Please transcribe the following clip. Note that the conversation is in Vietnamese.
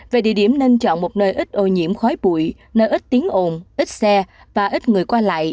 về địa điểm nên chọn một nơi ít ô nhiễm khói bụi nơi ít tiếng ồn ít xe và ít người qua lại